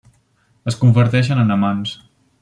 Es converteixen en amants.